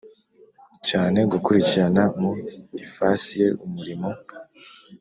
cyane gukurikirana mu ifasi ye umurimo